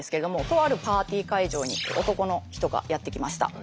とあるパーティー会場に男の人がやって来ました。